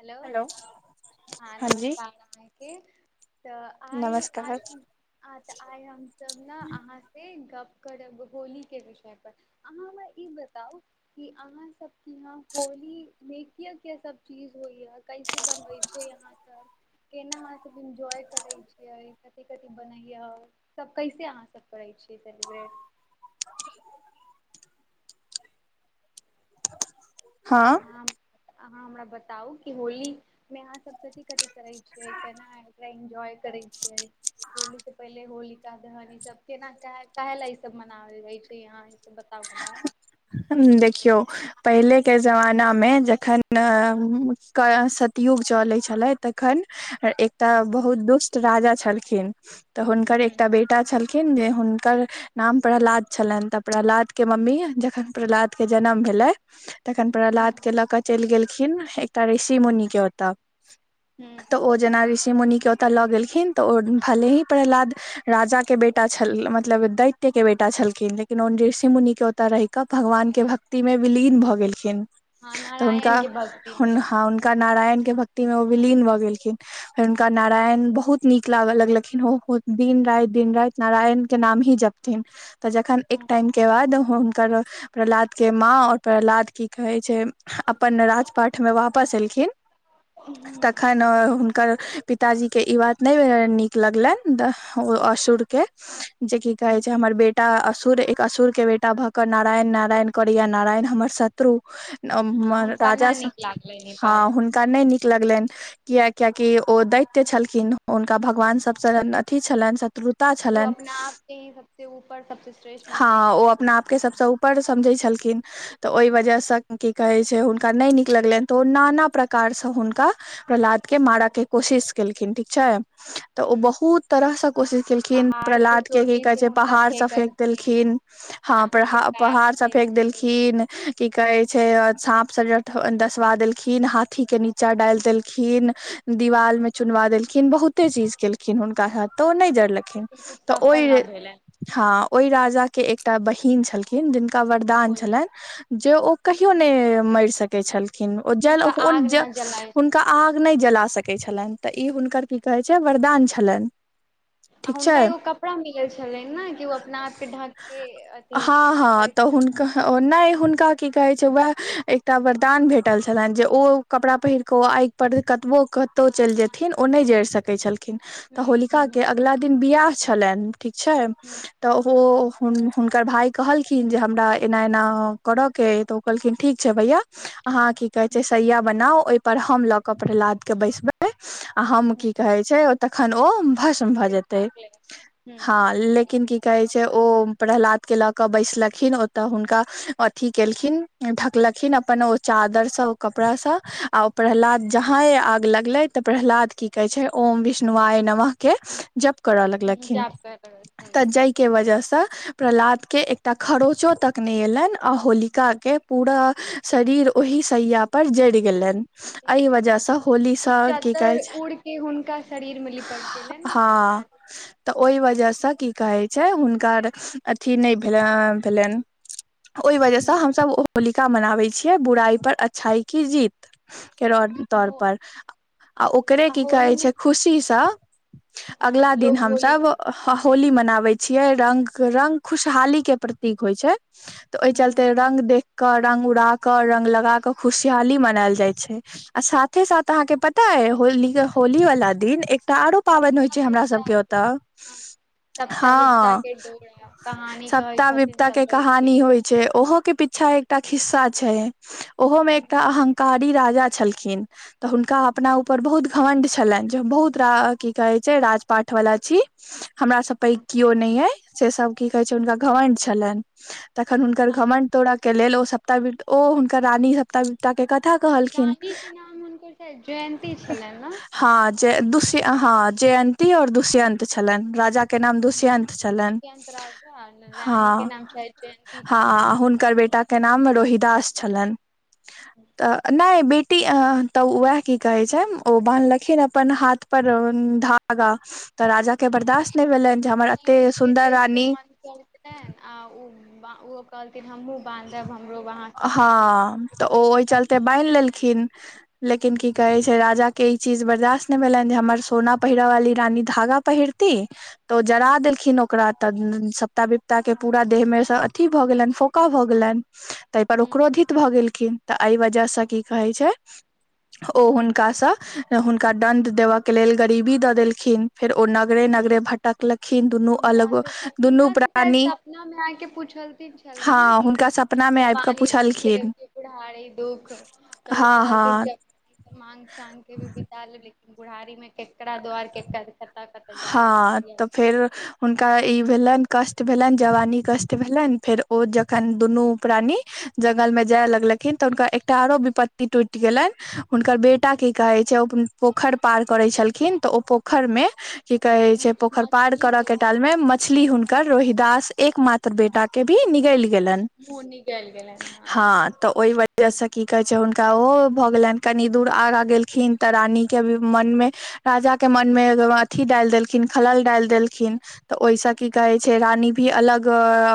Hello ह हँ जी नमस्कारकार तऽ आइ नमस्कार त आइ हमस ने अहाँ से गप कर होली के विषय पर अहाँ हमरा ई बताउ कि अहाँ सबके यहाँ होली मे किया किया सब ची होइया कैसे बनबै छैह केना अहाँ एन्जॉय करै छियै कथिी कथि बनैय सब कैसे अहाँ सब करै छियै सेलिब्रेट हँ अहाँ अहाँ हमरा बताउ कि होली मे अहाँ सब कथिी कथि ै छिय केना एकरा एन्जॉय करै छियै होली से पहिले होली लिका दहन ई सब केना काहे लए ई सब मनावल रहै छै यहाॅं ई सब बताउ हमरा। हं देखियौ पहिले के जमाना में ज खनऽ क सतयुग चलईछलै तखन एकटा बहुत दुष्ट राजा छलखिन तऽ हुनकर हूँ एकटा बेटा छलखिन जे हुनकर नाम प्रह्लाद छलनि तऽ प्रह्लाद के मम्मी न प्रह्लाद के जनम भेलै तखन हूँ प्रहलाद के ल के चलि गेल केना एकटा ऋषि मणि के ओता हूँ तऽ ओ जेना ऋषि मुनि के ओतऽ लऽ गेलखिन तऽ ओ भले ही प्रह्लाद राजा के बेटा छल मतलब दैत्य के बेटा छलखिन लेकिन ओ ऋसि मुन के ओतए रहिक क भगवानके भक्तिमे विलीन भऽ गेलखिन। हँ तऽ हुनका नारायण के भक्ति हुन मे हं हुनका नारायण के भक्त ति मे ओ विलीन भऽ गेलखिन फेर हुनका नारायण बहुत नीक लागय लगलखिन ओ दिन राति दिन राति नारायण के नाम ही जपथिन। तऽ जखन एक हूँ टाइम के बाद हो कर प्रह्लाद के माँ और प्रह्लाद की कहै छै अपन राजपाठमे वापस एलखिन तखनि हुनकर पिताजीके ई बात नहि बे नीक लगलनि द ओ असुरके जे की कहै हूँ छै हमर बेटा अस सूर एक असुर के बेटा भऽ क ना नारायण नारायण करैया नारायण हमर शत्रु हँ हमर हुनका राजा न सॅं नीक लागलै ई हँ बात हुनका नहि नीक लगलनि किये कियैकि ओ दैत्य छलखिन हुनका भगवान सबसँ रन ठी छलनि स ऊ अपना आपके ही सबसे ऊपर सबसे श्रेष्ठ मानैत छथिन। पर समझै छलखिन तऽ ओहि वजहसँ की कहै छै हुनका नहि नीक लगलनि तऽ ओ नाना प्रकारसँ हुनका प्रह्लाद के मारय के कोशिश केलखिन ठीक छै तऽ ओ हूँ बहुत तरहसँ कोशिश केलखिन पहाड़ से प्रह्लाद के की चोटी कहै से छै हुनका पहाड़सँ फेेक फेेकलथिन देलखिन हां हाथी के प्रहा पैर पहाड़ स से फेेक कुछो देलखिन की कहै छै साॅंप स डठ डसवा देलखिन हाथ थीके नीचा डालि देल खिन दिवाल में चुनवा देलखिन बहुते चीज केलखिन हुनका साथ तऽ ओ नहि जरलखिन लेकिन कुछ तऽ सफल ओई नहि भेलनि हं ओई राजा के एक एकटा बहीन छल तीन दिन क वरदान होलिका छलनि जे ओ कहियो नहि मरि सकैत छल हुनका आग नहि जलाय [unintelligible] जला सकै छलनि तऽ ई हुनकर की कहै छै वरदान छलनि। आ ठीक छै हुनका एगो कपड़ा मिलल छलनि ने कि ओ अपना आपके ढकके अथी हँ हँ बैठ तऽ हुनक नहि हुनका की कहै छै वएह एकटा वरदान भेटल छलनि जे ओ कपड़ा पहिर कऽ ओ आगि पर कतबो कतहु चलि जेथिन ओ नहि जरिि सकैत छलखिन हूँ तऽ हूँ होलिका हूँ के अगलाा दिन बिय छलनि ठीक छै हूँ तऽ ओ हुनकर भा कहलखिन जे हमरा एना एना करयके अइ तऽ ओ कहलखिन ठीक छै भैया हँ की कहे हूँ छै सैया बनाउ ओहिपर हम लऽ कऽ प्रह्लादके बैसबै आ हम हूँ की कहे छै तखन ओ अपना भस्म भऽ आपके जेतै ढाँक ले हूँ हँ लेकिन की कहे छै ओ प्रह्लाद केेलक के बैसलखिन ओतऽ हुनका अथिी केलखिन ढकलखिन अपन ओ चादरसँ ओ कपड़ासँ आ ओ प्रहलाद जहा आग लग गेलै तऽ प्रहलाद की कहे छै म विष्णु आय नम के जप करऽ हूँ लगलखिन जाप कर रहल तऽ जाय के वजह से प्रह्लाद के एकटा खरोचो तक नहि अयलनि आ होलिकाके पूरा शरीर ओहि सयापर जरि गेलनि एहि वजहसँ छल उ होलीसँ की चद्दर कहै छै उड़ के हुनका शरीर मे लिपट गेलनि ने हँ प्रहलाद तऽ ओहि वजहसँ की कहै छै हुनकर अथ क नहि भेल भेलनि ओहि वजहसँ हूँ हमस होली ा मनाबै छियै बुराइ पर अच्छाई की जीत के आ तौर हो पर आ ओकरे की होली कहे मे छै खुशी से हँ अगला दिन लोग हमस होली बन होली मनाबे छियै रंगग के रङंगग खुशहाली के प्रतीक होइ छै तऽ ओहि हूँ चलते हूँ रंगग देख कर रंग उड़ाक रंग लगाक खुशहाली मनायल जाय छै आ साथे साथ अहाँ के पता यल होली वाला दिन एक आर पाबनि होइ सप्ता छै हमरा विपता सबके के ओतऽ हँ सप्ता विपता हँ के डोरा कहानी कहै सप्ता छथिन विपता सब के बैठ कहानी होइ छै ओहोोक के पीछा एकटा खिस्सा छै अ छै ओहो में एकटा ह अहंकारी राजा छलखिन तऽ हुनका अपना ऊपर बहुत घमण्ड छलनि जे हम बहुत की कहै छै राजपाठवला छी हमरा सब प केओ न यय से सब कि कह छै हुनका घवं्ड छलनि तखन हुनकर हँ घमण् तोड़ा के लेल ओ सप्ताह ओ हुनकर रानी सप्तव तक रानीके नाम हुनकर जयन्ती छलनि ने ्य ह जयन्ती आओर दष्यन्त छलनि राजा के नाम दुष्यन्त छलनि जयंत राजा रानी के हँ नाम शायद जयन्ती छलनि हँ हुनकर बेटे टाक के नाम रोहिदास छलनि अ नहि बेटी अ तऽ वएह की कहै छै ओ बान्हलखिन अपन हाथ पर धागा तऽ राजा के हँ, बर्दाश्त नहि भेलनि जे हुनका हमर एते लोक के सुन्दर देख के रानी मन आ कह कहू हँ तऽ ओ कोइ ओहि हुनका चलते पूजा बान्हि देलनि लेलखिन लेकिन की कहै छै राजा के ई चीज बर्दाास्त नहि भेलनि जे हमर सोना पहिर वाली रानी धागा पहिरती तऽ ओ जरा ह देलखिन ओ ओकरा तऽ सप्ता विपतााके पूरा देहमे सँ अथी भऽ गेलनि फोक पका भऽ गेलनि ताहिपर ओक्रोधित भऽ गेल कत एहि वजह से की कहै छै ओ ह ह हुनकासँ हुनका दणं्ड देबऽ के लेल गरीबी दऽ देलखिन फेर ओ नगरे ह नगरे भटकलख हुनका से हुनका से त सपना मे आ के पूछलन हँ हुनका सपना मे आबि कऽ जवानी पुछलखिन बुढ़ाारी दुख तऽ ओ हँ हँ कहल मागाग के भी बित ल बुढ़ारी मे केकरा दआार केरा हँ तऽ फेर हुनका ई भेलनि कष्ट भेलनि जवानी कष्ट भेलनि फेर ओ जखन दुनू प्राणी जङ्ंगलमे जाय लगलखिन तऽ हुनका एकटा आरो विपत्ति टूटि गेलनि हुनकर बेटा की कहै छै पोखरि पार करै छलखिन तऽ ओ पोखरि मे की कहे छै मिक्स पोखर पार मछली करे के टाल में मछली हुनकर रोहित दास एक मात्र बेटा के भी निगल लिख मुँह निकलि गेलनि हँ [unintelligible] जैस की कहे छै हुनका ओ भऽ गेलनि कनि दूर आगाँ गेलखिन तऽ रानी केी मन मे राजा के मन मे अथी डालि देलखिन खलल डालि देलखिन तऽ ओहिसँ की कहे छै रानी भी अलग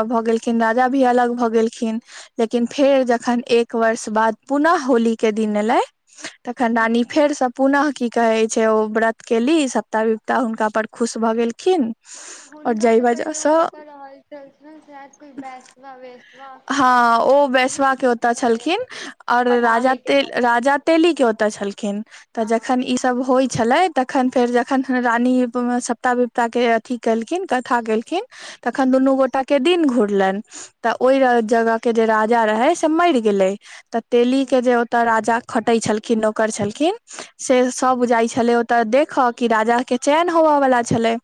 भऽ गेलखिन राजा भी अलग भऽ गेलखिन लेकिन फेर जखन एक वर्ष बाद पुनः होली के दिन ल तखन रानी हूँ फेरसँ पुनः की कहै छै ओ व्रत केली सब तबपा हुनका पर खुश भऽ गेलखिन आओर हुनका जाहि से पहिले ओ वजहसँ कतऽ रहल छलखिन शायद कोइ बैसवा वैसवा कुछ हँ ऐसी ओ हलथिन ने बैसवा जे के ओतऽ घरे छलखिन आओर पना ले के रहथिन राजा तेली के ओतऽ छलखिन तऽ हँ जखन ई सब होइ छलै तखन फेर ज तखन रानी सपटा विपताके अथी केलखिन कथा केलखिन तखन दुनू गोटाके दिन घुरलनि तऽ ओहि हूँ जगह के जे राज जा रहै से मरि गेलै तऽ तेली हूँ के जे ओतऽ राजा खटै छलखिन नौकर छलखिन से सब जाइ हूँ छले ओतऽ देख ख कि राजा के चयन होबयवला छलै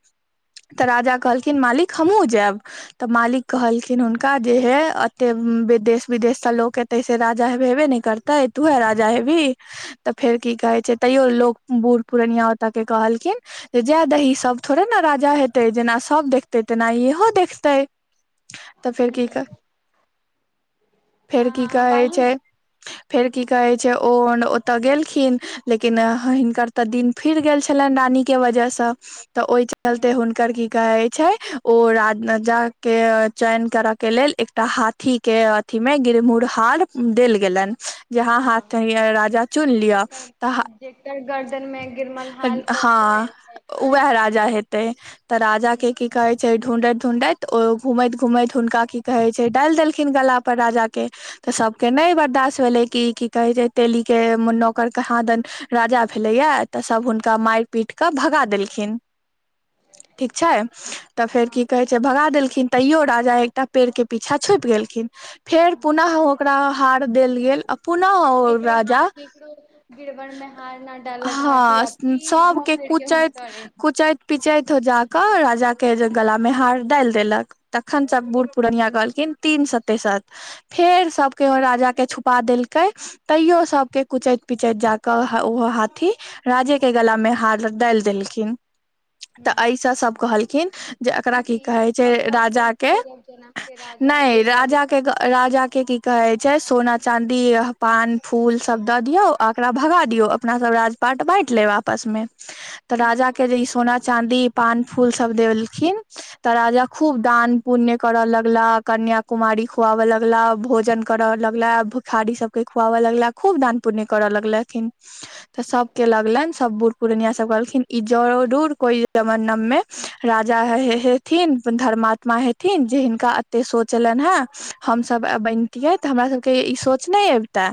तऽ हूँ राजा कहलखिन मालिक हमहुँ जायब तऽ मालिक कहलखिन हुनका जे हे एते वि देेश विदेश तऽ लोक एतै से राजा हेबे नहि करतै तूँहेँ राजा हेबही तऽ फेर की कहै छै तैयो लोक बूढ़ पुरनिया ओतऽ के कहलखिन जे जाय दही सभ थोड़े ने राजा हेतै जेना सभ देखतै तेना इहो देखतै तऽ फेर की कर हँ फेर की हँ कहै बाजू छै ने फेर की कहे छै ओ ओतए गेलखिन लेकिन हिनकर ते दिन फिर गेल छै खनि रानी के वजहसँ तऽ ओहि हूँ चलते हुनकर की कहे छै ओ राजा के चयन करऽ के लेल एकटा हाथी के अथी मे गिरमुर हार देल गेलनि जेहा हँ हाथ राजा चुन लियअ जेकर तऽ जेकर गर्दन मे गिरमलहाल हँ पड़तै ओकर राज उएह रहत राजा हेतै, तऽ राजा के हूँ की कहे छै ढूढ़त सुडैत ओ घूमैत घूमैत हुनका की कहे छै डालि देलखिन गला पर राजा के तऽ सबके हूँ नहि बर्दाश्त भेलै। क की कहे छै, तेली के नौकर कहा दन राजा। भेलैया, तऽ सभ हुनका मारि -पीट कऽ भगा देलखिन। ठीक छै, तऽ फेर की हँ कहै छै, भगा देल तैयो राजा एकटा पेड़ के पीछा छुपि गेलखिन। फेर पुनःओ ओकरा हार देल गेल, अ केकरो ह केकरो गिड़बन मे, हार नहि। हँ सबके के कुचाइत हुनकरे कुचात -पिचााय हो जा आक, राजा के जे, गला मे हार डालि देलक। तखन सब बूढ़ पूर्णिया कहलखिन। तीन सतेशत, फेर सबके राजा के छुपा देलकै, तैयो सबके कुचैत -पिचैत जााके हाथी राजे के गला मे हार डालि देलखिन। तऽ हूँ ऐसा सब कह हल किन जे एकरा की किसी कहै छै, पक्का राजा कोइ के, पूरब जनम के राजा नहि होतै एकरा भी राजा प के राजा के की कहे चाहे, सोना -चाँदी पान फूल सब दऽ दियौ, आ ओकरा भगा दियौ। अपना सब राज- पाट बाँट ले आपस मे। तऽ हूँ राजा के जे ई सोना चाँदी, पान- फूल सब देलखिन। त राजा खूब दान -पुण्य करए लगला, कन्या, कुमारी, खुवे लगला, भोजन करऽ लगला, भुखारी सब के खुआवे लगलाह, खूब दान- पुण्य करऽ लगलाह, हथिन। तऽ सभके लगलनि, सभ बूढ़ पुरनिया सभ कहलखिन, ई जरूर कोइ जमन् नममे राजा हेथिन, धर्मात्मा हेथिन, जे हिनका एतेक सोच एलनि हेँ, हमसभ बनितियै तऽ हमरा सभके ई सोच नहि अबितै।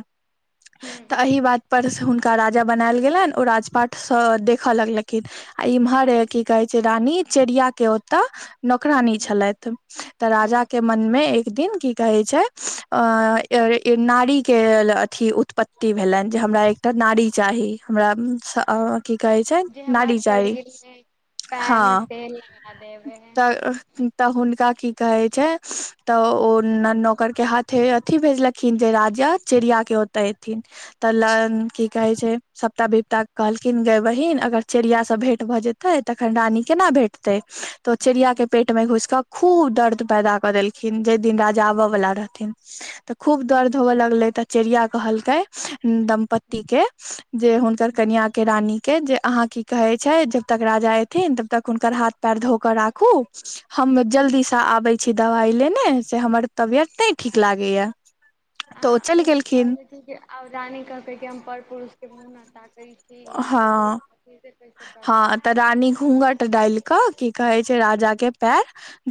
हूँ तऽ एहिह बात पर। का राजा बनायल गेलनि, ओ राज-पाटसँ देखय लगलखिन, आ इम्हर की कहे छै, रानी चेड़िया के ओतऽ नौकराानी हूँ छलथि, तऽ राजा हूँ के मन मे एक दिन की कहै छै, नारीके अथी उत्पत्ति भेलनि, जे हमरा एक नारी चाही, हमरा की कहे छै, जे हमर नारी चारी, शरीर मे पैर मे हँ, तेल लगा देबे तऽ हुनका की कहे छै तऽ ओ नौकरके हाथे, अथी भेजलखिन, जे राजा चिड़िया के ओते एथिन, तऽ नारद की कहै छै सपता विपता कहलखिन, गे बहिन अगर चिड़ियासँ भेँट भ जेतै तखन रानी केना भेटतै? त चिड़िया हूँ के पेट मे घुसि क खूब दर्द पैदा क देलखिन, जै दिन राजा आबय बला रहथिन। त खूब हूँ दर्द होअ लगलै त चिड़िया कहलकै, दम्पति प के जे हुनकर कनिआके रानीक के, जे अहाँ की कहै छै, जब तक राजा एथिन, तबतक हुनकर हाथ पैर धोक कऽ राखू। हम हूँ जल्दी से आबे से दबाइ लेने, से हमर तबियत नै ठीक लागैए। ओ कहलकै जे, रानी कहलकै जे कि हम पर पुरुष के नुना साग हां करब हां, त रानी घूंघट डालि क कहे छै राजा के पैर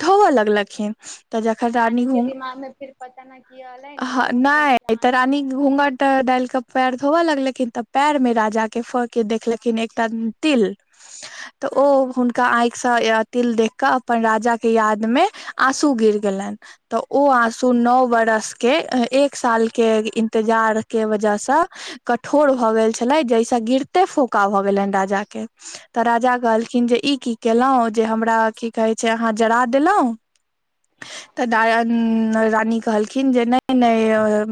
धोवए लगलखिन त जखन आ रानी के घुं, दिमाग मे फिर पता न की एलै कि हुनकर नै त जान रानी घूँघट त डालि क पैर धोबय लगलखिन त पैर मे राजा के फहके देखलखिन एकटा तिल त ओ हँ हुनका आँखिसँ या तिल देख क अपन राजा के याद मे आँसू गिर गेलनि। त ओ हूँ आँसू नओ बरस के एक साल के इन्तजार के वजह से कठोर भ गेल छलै जैस गिरते फोंका भ गेलैन राजा के त राजा हूँ कहलखिन जे ई कि केलहुँ जे हमरा की कहै छै जे अहाँ जरा देलहुँ। त दाय हूँ राज नी कहलखिन जे नै नै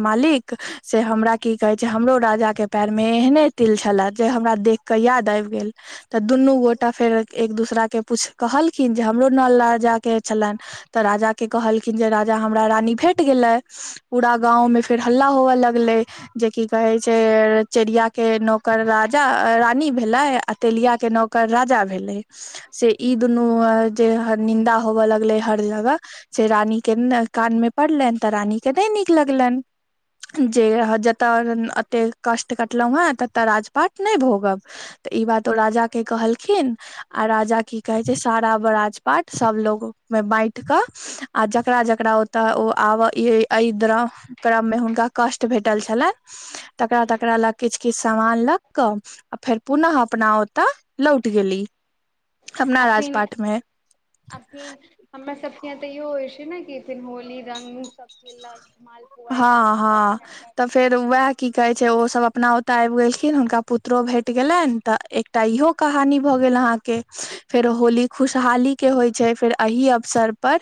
मालिक से हमरा की कहे छै हमरो राजा के पैर में एहने तिल छले जे हमरा देख के याद आबि गेल त दुनु गोटा फेर एक दोसरा के पुछ कहलखिन जे हमरो नल राजा के छलनि त राजा के कहलखिन जे राजा हमरा रानी भेट गेलैथ पूरा गाँव मे फेर हल्ला होवय लगलै जेकि कहै छै चिड़िया के नौकर राजा रानी भेलै आ तेलिया के नौकर राजा भेले। से ई हूँ दुनू अ जे निन्दा होबय लगलै हर जगह से रानीके कानमे पड़लनि त रानीके नै नीक लगलनि जे हूँ जतय तिल कष्ट क कटलहु हेँ तत राजपाट नहि भोगब त ई बात ओ राजा के कहलखिन आ राजा की कहैत छै सारा राजपाट सब लोकमे बाँटि क आ जकरा जकरा ओत ओ आबय एहि क्रममे हुनका कष्ट भेटल छलनि तकरा हूँ तकरा लग किछु किछु सामान ल क आ फेर पुनः अपना ओतय लौट गेली। अपना अिन राजपाट मे अपिन हमरा सब याँ ते इो होय छै ने क फ होली रंग उ सब खेललक मालपुआ ई सब हँ बनलक हँ तऽ खैलक फेर वएह की कहै छै ओ सभ अपना ओतय आबि गेलखिन हुनका पुत्रो भेट गेलनि तऽ एकटा इहो कहानी भऽ गेल अहाँके फेर होली खुशहाली के होइ छै फेर एहि अवसर पर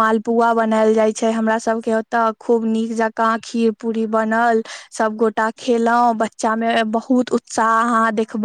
मालपुआ बनायल जाइ छै हमरा सबके ओत खूब नीक जका खीर पूरी बनल सब गोटा खेलौं बच्चा में बहुत उत्साह अहां देखबै